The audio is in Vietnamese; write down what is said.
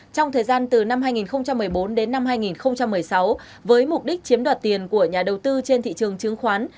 trong thời gian từ năm hai nghìn một mươi bốn đến năm hai nghìn một mươi sáu với mục đích chiếm đoạt tiền của nhà đầu tư trên thị trường chứng khoán